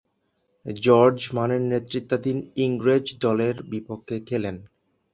George মানের নেতৃত্বাধীন ইংরেজ দলের বিপক্ষে খেলেন।